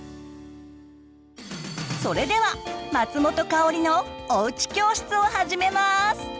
それでは松本薫の「おうち教室」を始めます。